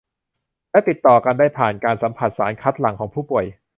และติดต่อกันได้ผ่านการสัมผัสสารคัดหลั่งของผู้ป่วย